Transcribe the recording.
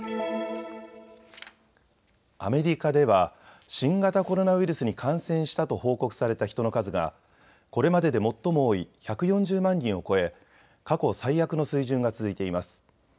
アメリカでは新型コロナウイルスに感染したと報告された人の数がこれまでで最も多い１４０万人を超え、過去最悪の水準が続いています。